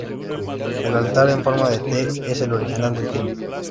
El altar, en forma de "T" es el original del templo.